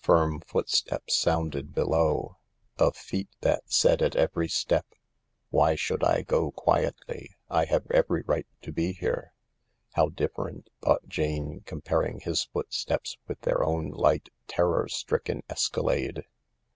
Firm footsteps sounded below — of feet that said at every step, "Why should I go quietly? I have every right to be here." " How different !" thought Jane, comparing his footsteps with their own light, terror stricken escalade.